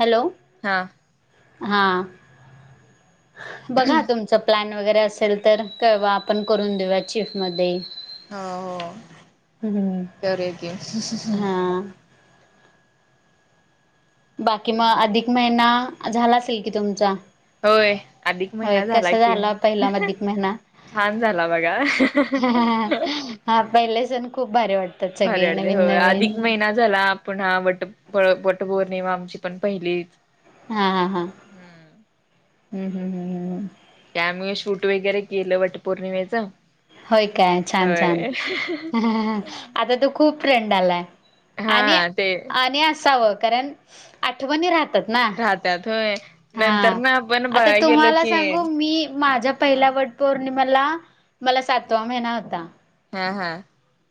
Hello हा हा बघा तुमचं प्लॅन वगैरे असेल तर कळवा आपण करून देऊया चिफ मध्ये हो हो करूया कि हा बाकी मग अधिक महिना झाला असेल कि तुमचा होय अधिक होय महिना झाला कसा की पहिला अधिक महिना छान झाला बघा हा पहिले सण खूप भारी वाटत भारी वाटतंय हो अधिक महिना झाला पुन्हा हा वट वटपौर्णिमा आमची पण पहिलीच हा हा हा हम्म हम्म हम्म हम्म हम्म हम्म ते आम्ही शूट वगैरे केलं वटपौर्णिमेचं होय काय छान छान ह आता तो खूप ट्रेंड आलाय हा आणि ते आणि असावं कारण आठवणी राहतात ना राहत्यात होय नंतर हा ना आपण आता बघाय गेलो तुम्हाला की सांगू मी माझ्या हा पहिल्या वट पौर्णिमाला मला सातवा महिना होता हा हा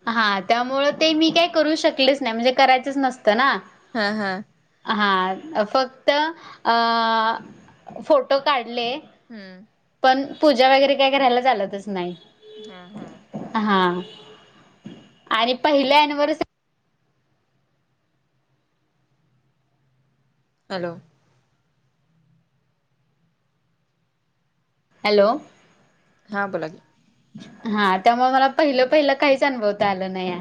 हा त्यामुळं ते मी काही करू शकलेच नाही म्हणजे करायचं नसतं ना हा हा हा फक्त अ फोटो काढले हम्म पण पूजा वगैरे काय करायला चालतच नाही हा हा हा आणि पहिल्या एनिवर्सरी हॅलो हॅलो हां बोला कि हा त्यामुळे मला पहिलं हम्म पहिलं अनुभवता नाही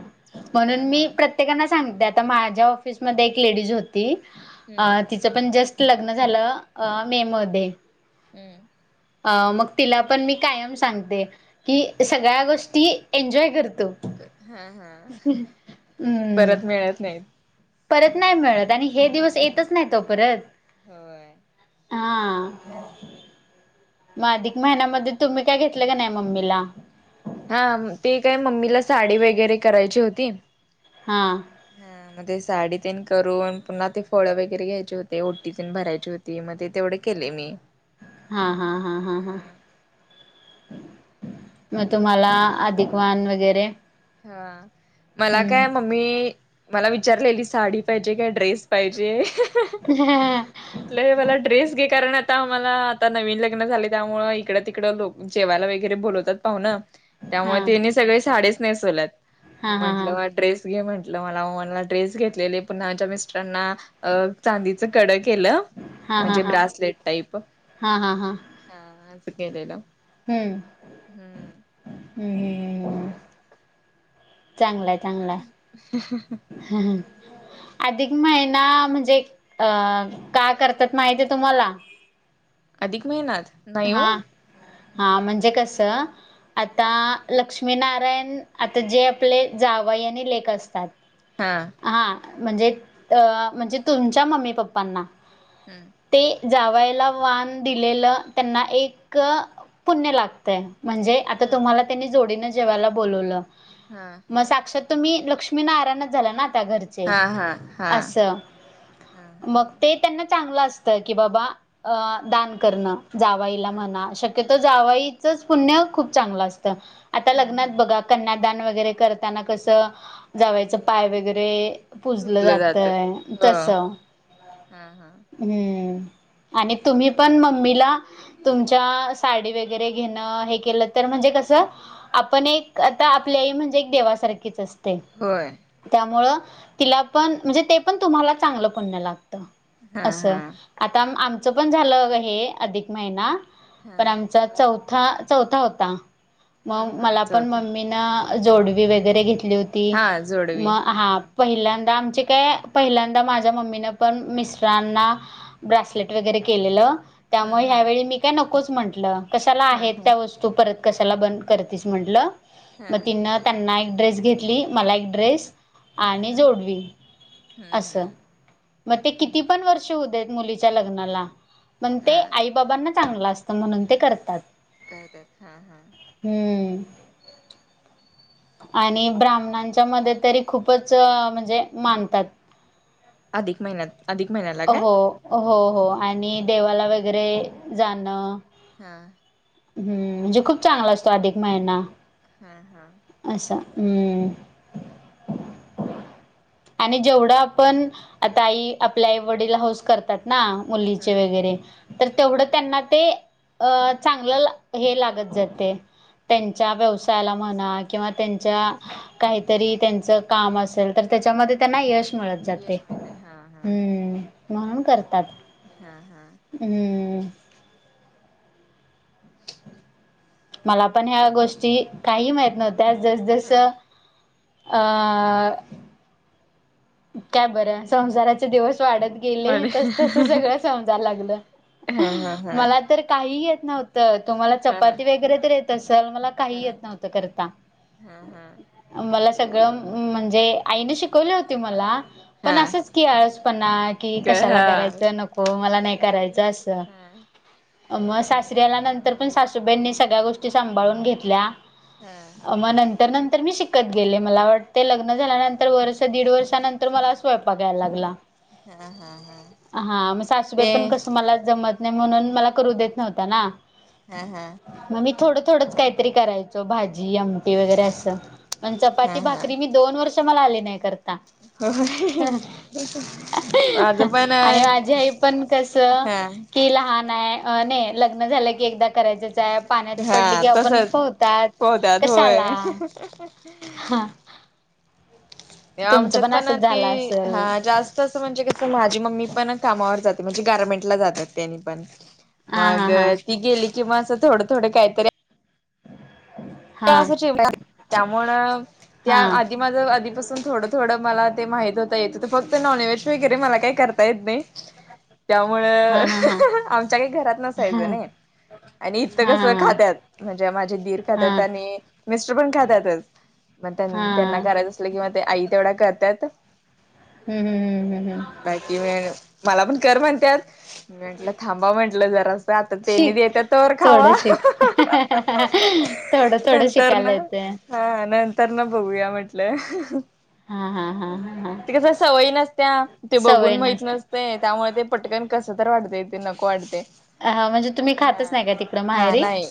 हा म्हणून हा मी प्रत्येक प्र्येकाना सांगते आ माझ्या ऑफिसमध्ये एक लेडीज हम्म होती पण जस्ट लग्न झालं अ मे मध्ये हम्म अ मग तिला पण मी कायम सांगते की सगळ्या गोष्टी एन्जॉय कर तु हा, हा. हम्म परत मिळत नाहीत. परत नाही मिळत. आणि हे दिवस येतच हम्म नाहीत ओ परत. होय. हा. मग अधिक महिन्यामध्ये, तुम्ही काय घेतलं का नाही, मम्मीला? हा. ते काय मम्मीला, साडी वगैरे करायची होती. हां. हा म साडी तेन करून, पुन्हा ते फळ वगैरे घ्यायचे होते. ओटी तेन भरायची हो ती, मग ते तेवढे केले मी. हा, हा, हा, हा, हा. मग तुम्हाला, अधिकवान वगैरे. हा. मला काय म मी मला विचारलेली. साडी पाहिजे काय, ड्रेस पाहिजे? [unintelligible] म्हटलं मला ड्रेस घे. कारण आता मला, आता नवीन लग्न झालय, त्यामूळ इकडं तिकडं लोक जेवायला वगैरे बोलवतात पाहूणं. हा त्यामुळे त्यांनी सगळे साडीच नेसवल्यात. हा मग हा हा म्हंटलं ड्रेस घे म्हटलं मला. मग मला ड्रेस घेतलेले. पुन्हा माझ्या मिस्टरांना, अ चांदीच कडं केलं. हा हा म्हणजे हा ब्रासलेट टाईप. हा. आसं केलेल. हम्म. हम्म, हम्म, हम्म, हम्म. चांगलंय, चांगलाय. [unintelligible] [inaudible] अधिक महिना, म्हणजे अ का करतात माहितेय तुम्हाला? अधिक महिन्यात? नाही हो हा. नाही हा, म्हणजे कसं? आता, लक्ष्मीनारायण आता जे आपले जावई आणि लेक असतात हां. हा, म्हणजे अ म्हणजे तुमच्या मम्मी- पप्पांना. हम्म. ते, जावायला वान दिलेलं त्यांना एक, पुण्यं लागतय. म्हणजे आता हा तुम्हाला त्यांनी जोडीनं जेवायला बोलवलं. हां. मग साक्षात तूम्ही, लक्ष्मी- नारायणच झाला ना, त्या घर चे. हा हा हा असं. हा हा मग हा ते त्यांना चांगलं असतं. की बाबा, अ दान करणं. जावईला हम्म म्हणा, शक्य तो जावाईचच पुण्य खूप चांगलं असतं. आता हा लग्नात हा बघा कन्यादान वगैरे करताना कसं, जावयाचं पाय वगैरे पुजलं धुतलं जातं जातय. हो तसं. हा हा आणि तुम्ही पण, मम्मीला तुमच्या, साडी वगैरे घेणं, हे केलं तर म्हणजे कसं आपण एक, आता आपली आई म्हणजे, एक देवासारखीच असते. होय. त्यामुळ तिला पण, म्हणजे ते पण तुम्हाला चांगलं पुण्य लागतं. हा असं. हा आता आमचं पण झालं बघा, हे अधिक महिना. पण आम हा चा चौथा चौथा होता मग हा मला पण चौथ मम्मी न जोडवी वगैरे घेतली होती हा जोडवी मग हां हम्म पहिल्यांदा आमचे काय पहिल्यांदा माझ्या मम्मीने पण मिस्टरांना ब्रासलेट वगैरे केलेलं. मग हम्म ह्यावेळी हम्म मी काय नकोच म्हंटलं कशाला आहेत हम्म त्या वस्तू परत कशाला बंद करतेस म्हटलं. हा हा मग तिनं त्यांना एक ड्रेस घेतली मला एक ड्रेस हा आणि हा जोडवी हम्म असं, हम्म मग ते हम्म किती पण वर्ष होवू देत मुली च्या लग्नाला पण हा ते आई बाबांना चांगलं असतं म्हणून ते करतात. करत्यात हां हां. हम्म. आणि ब्राह्मणांच्या मध्ये तरी खूपच म्हणजे मानतात. अधिक महिन्यात अधिक महिन्याला काय हो, हो हो आणि देवाला वगैरे जाणं हां. हम्म म्हणजे खूप चांगला असतो अधिक महिना. हां हां. असं हम्म. आणि जेवढा आपण आता आई आपल्या आई वडील हौस करतात ना मुलीचे हम्म वैगेरे हम्म तेवढं त्यांना ते अ चांगलं हे लागत जातंय. त्यांच्या व्यवसायाला म्हणा किंवा त्यांच्या काहीतरी त्यांच काम असेल तर त्याच्यामध्ये त्यांना यश मिळत जातंय. यश माहित आहे हा हम्म म्हणून करतात. हां हां. हम्म. मला पण ह्या चा गोष्टी काही माहित नव्हत्या जस जस हा आ काय बरं! संसाराचे दिवस वाढत गेले वाडे तस तस सगळं समजायला लागलं, हा हा हा मला तर काही येत नव्ह त, तुम्हाला हा चपाती वगैरे तर येत असंल मला काही हा येत नव्हतं करता. हा हा मला सगळं म्हणजे आईने शिकवली होती मला पण हा असंच की आळसपणा की का कशाला हा करायचं हा नको मला नाही करायचं अस स मग सासरी आल्यानंतर पण सासूबाईंनी सगळ्या गोष्टी सांभाळून घेतल्या. हां. मग नंतर नंतर मी शिकत गेले मला वाटतंय लग्न झाल्यानंतर वर्ष दीड वर्षा नंतर मला स्वयंपाक यायला लागला. हा हा हा हां मग सासूबाई ते पण कसं मला जमत नाही म्हणून मला करू देत नव्हत्या ना. हां हां. मग मी थोडं थोडंच काहीतरी करायचो भाजी आमटी वगैरे असं पण हा चपाती हा भाकरी मी दोन वर्ष मला आले नाही करता. माझं पण आहे आणि माझी आई पण कसं हा की लहान आहे, नाही लग्न झालं की एकदा करायचं च आहे पाण्यात हा पडली की आपणच तसच पोहतात पोहतात होय कशाला ती तुमचं आमच्यात पण असंच झालं ती, हा असेल जास्त तसं म्हणजे कसं माझी मम्मी पण कामावर जाते, म्हणजे गारर्मेंट ला जातात त्यांनी पण. हा मग हा हा ती गेली कि मं थोडं थोडं काहीतरी हो [inaudible] ठ त्यामुळं त्या हा आधी माझं आधीपासून थोडं थोडं मला ते माहित होतं येतं, फक्त नॉनव्हेज वगैरे मला काही करता येत नाही. [inaudible] त्यामुळं हा हा हा ऽऽआमच्या काही घरात हा नसायचं नाही. आणि इथं कसं हा खात्यात,, म्हणजे माझे दीर हा खात्यात. हा आणी मिस्टर पण खात्यातच,, म त्यांना हा करायचं आसलं कि मग ते आई तेवढ्या करत्यात, हम्म हम्म हम्म हम्म बाकी मग मला पण कर म्हणत्यात, मी म्हंटलं थांबा म्हंटलं जरा आता तेनी शिक देत्यात तवर खावा ह [unintelligible] नंतरनं,,, हा नंतर न बघूया म्हटलं. हा हा हा हा हा ते कसं सवय नसत्या,, ते बघून सवय माहित नसते नसतय. त्यामुळे ते पटकन कसं तर वाटतय ते नको वाटतय. हा म्हणजे तुम्ही हा खातच नाही का तिकडं हा माहेरी नाही,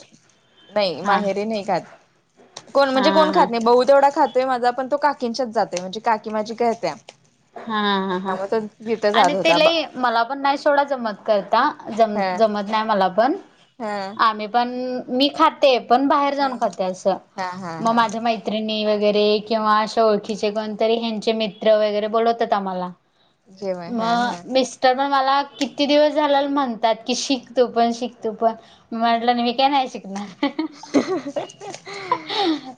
नाही हा माहेरी नाही खात. कोण हा म्हणजे कोण हा खात नाही, बहु तेवढा खातोय माझा, पण तो काकींच्याच जातोय, म्हणजे काकी माझी करत्या. हा हा हा. त्यामुळे तो तिथं जात आणि ते होता बा लई, मला पण नाही सोडा जमत करता, जम हा जमत नाही मला पण हा आम्ही पण,, मी खाते पण बाहेर जाऊन हा खाते असं,, हा मग हा माझ्या मैत मैत्रिणी वगैरे, किंवा अशा ओळखीचे कोणतरी, ह्यांचे मित्र वगैरे बोलवतात आम्हाला. जेवण हा हा मग मेस तर पण मला किती दिवस झालं म्हणतात की, शिक तु पण शिक तु पण. म्हटलं मी काय नाही शिकणार. ह [unintelligible]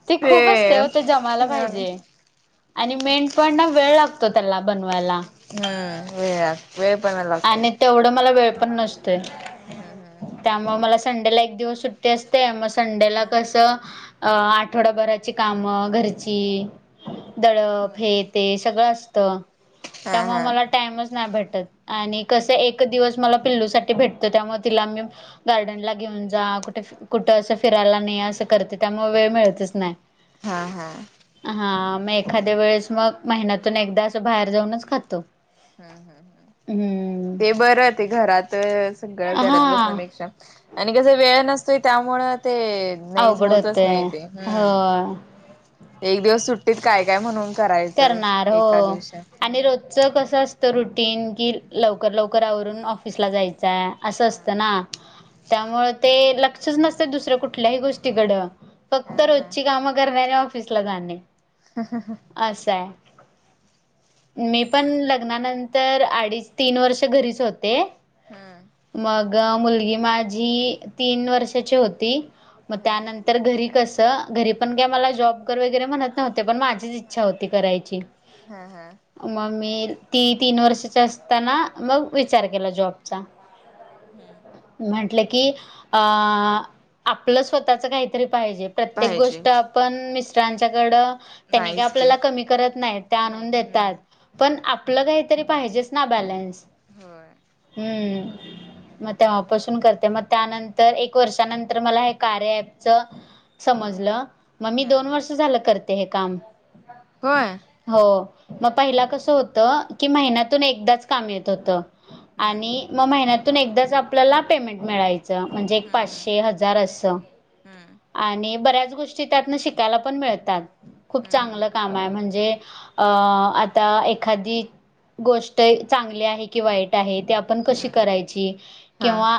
ते खूप असतय ओ ते जमायला हा पायजे. आणि मेंन पण ना वेळ लागतो त्याला बनवायला हम्म,, वेळ, वेळ पण लागत आणि तेवढं मला वेळ पण नसतोय. हं हं. त्यामुळं मला संडेला एक दिवस सुट्टी असते,, मग संडेला हम्म कसं अ आठवडाभराची कामं घरची, हा दळफ हे ते सगळं असतं,, हा त्यामुळं हा मला टाइमच नाही भेटत. आणि कसं एक दिवस मला पिल्लूसाठी भेटतं, त्यामुळं तिला मी गार्डन ला घेऊन जा, कुठं फि कुठं असं फिरायला ने असं करते,, त्यामुळं वेळ मिळतच नाही. हा हा. हा म एखाद्या वेळेस मग, महिन्यातून एकदा असं बाहेर जाऊनच खातो. हम्म हम्म हम्म. हम्म ते बरं, ते घरात सगळं हा घरात बसण्यापेक्षा आणि कसं वेळ नसतोय त्यामुळं ते नाही, अवघड होतच नाही होतय ते, हम्म. होय. एक दिवस सुट्टीत काय काय म्हणून करायचं,, एका दिवसात. च कसं असतं रुटीन, कि लवकर लवकर आवरून ऑफिस ला जाय त्या असं असतं हा ना त्यामुळं ते लक्षच नसतयं दुसऱ्या कुठल्याही गोष्टीकडं फक्त हा हा रोजची कामं करने आणि ऑफिसला जाणे. हं हं हं असयं मी पण लग्नानंतर अडीच तीन वर्ष घरीच होते. हं मग मुलगी माझी तीन वर्षाची होती. म हा त्यानंतर घरी कसं घरी पण काय मला जॉब वगैरे म्हणतं नव्हते पण माझीच इच्छा होती करायची. हा हा मग मी ती तीन वर्षाच्या असताना, मग विचार केला जॉबचा. हम् म्हटलं, की अ आपलं स्वतःच काहीतरी पाहिजे. प्रत्येक पाहिजे गोष्ट आपण मिस्टरांच्याकड त्याने नाहीच की आपल्याला कमी करत नाही ते आणून नाही देतात. हम्म पण आपलं काहीतरी पाहिजेच ना बॅलेन्स. होय. हम मग तेव्हापासून करते मग त्यानंतर एक वर्षानंतर मला हे कार्या अँपच समजलं मग मी हा दोन हा वर्ष झालं करते हे काम होय- हो मग पहिला कसं होतं की महिन्यातून एकदाच काम येत होतं हम्म आणि मग महिन्यातून एकदाच आपल्याला पेमेंट मिळा म्हणजे एक हम्म हम्म पाचशे हजार असं हम्म आणि बऱ्याच गोष्टी त्यातनं शिकायला पण मिळतात. खूप हम्म चांगलं हम्म कामहायं म्हणजे अं आता एखादी गोष्ट एक चांगली आहे कि वाईट आहे ते आप पण कशी हा करायची हा किंवा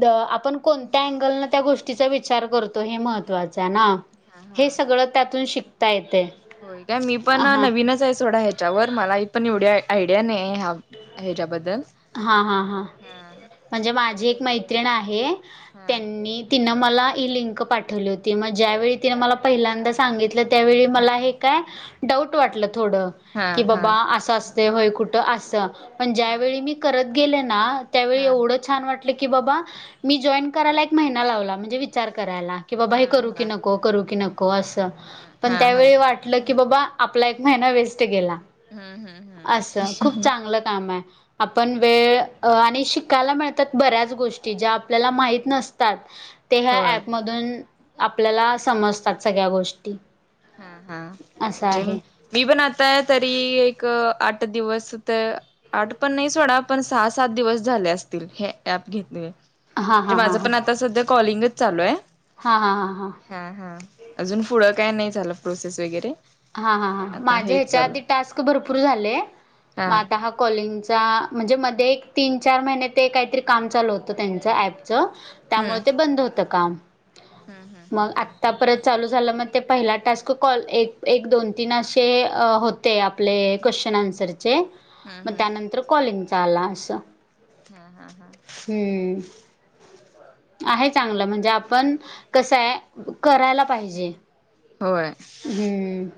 द आपण कोणत्या अँगल न त्या गोष्टीचा विचार करतो हे महत्त्वाचं आहे ना हा हा हे सगळं त्यातून शिकता येतेयं होय काय मी पण नवीनच आहे सोडा ह्याच्यावर मला पण एवढी आयडिया नाही ह्या ह्याच्याबद्दल हां हां हां हा म्हणजे माझी एक मैत्रिण आहे. हा त्यांनी तिनं मला ही लिंक पाठवली होती मग ज्यावेळी तिनं मला पहिल्यांदा सांगितलं त्यावेळी मला हे काय डाऊट वाटलं थोडं हा की हा बाबा असं असतयं होय कुठं असं, पण हा ज्यावेळी मी करत गेले ना- त्यावेळी हा एवढं छान वाटलं की बाबा मी जॉईन करायला एक महिना लावला, म्हणजे विचार करायला की बाबा हे हा करू की हा नको करू की नको असं पण हा हा त्यावेळी वाटलं की बाबा आपला एक महिना वेस्ट गेला. ह ह ह चांगल काम हाय. आपण वेळ आणि अ शिकायला मिळतात बऱ्याच गोष्टी ज्या आपल्याला माहीत नसतात. ते ह्या होय अँप मधून आपल्याला समजतात सगळ्या गोष्टी हां हां असं जेम आहे मी पण आता तरी एक आठ दिवस तर आठ पण नाही सोडा पण सहा सात दिवस झाले असतील हे ऍप घेतले. हा म्हणजे हा हा माझं पण आत्ता सध्या कॉलिंगच चालू हाय. हां हां हां हां. हां हां, अजून पुढं काय नाही झालं प्रोसेस वगैरे हां हां हां, आता माझे हेच हेच्या चालू आधी टास्क भरपूर झाले, म आता हा कॉलिंगचा म्हणजे मध्ये एक तीन चार महिने ते काहीतरी काम चालू होतं त्यांचं ॲप च त्यामुळे ते बंद होत काम. हम हम. मग आत्ता परत चालू झालं, म ते पहिला टास्क कॉल एक एक, दोन, तीन असे अं हो ते आपले क्वेश्चन आन्सरचे, हम्म हम्म मग हम्म त्यानंतर कॉलिंगचा आला असं. हां हां हां. हम. आहे चांगलं म्हणजे आपण कसं हाय करायला पाहिजे. होय. हम्म,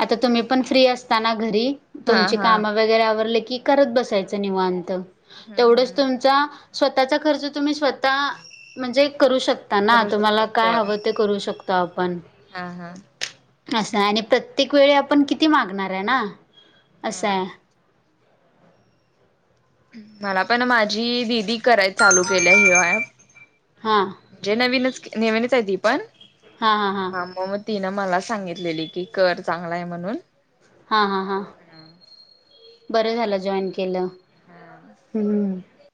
आता तुम्ही पण फ्री असता ना घरी हा तुमची हा काम वगैरे आवरल की करत बसायच निवांत, हम्म तेवढच हम्म तुमचा स्वतःचा खर्च तुम्ही स्व तः म्हणजे करू शकता ना करू तुम्हाला शकते काय हवं ते करू शकतो आपण. हां हां. असं हाय, आणि प्रत्येक वेळी आपण किती मागणार आहे ना असं हा हाय. मला पण माझी दिदी कराय चालू केल्या ह्यो ॲप हां म्हणजे नवीनच नेवीनच आहे ती पण हां हां हां. हा म म तिनं मला सांगितलेली की कर चांगल हाय म्हणून हा हा हा, बरं झालं जॉईन केलं. हम्म. हम्म.